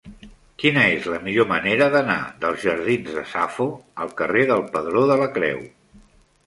Quina és la millor manera d'anar dels jardins de Safo al carrer del Pedró de la Creu?